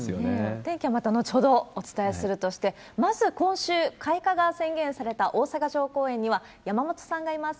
お天気はまた後ほどお伝えするとして、まず今週、開花が宣言された大阪城公園には山本さんがいます。